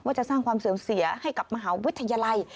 จะสร้างความเสื่อมเสียให้กับมหาวิทยาลัย